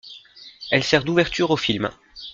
Elle sert d'ouverture au film.